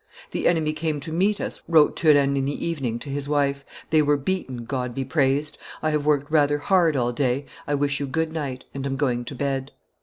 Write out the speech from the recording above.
'The enemy came to meet us,' wrote Turenne, in the evening, to his wife; 'they were beaten, God be praised! I have worked rather hard all day; I wish you good night, and am going to bed.